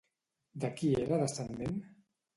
De qui era descendent?